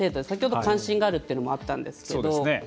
先ほど関心があるっていうのもあったんですけど。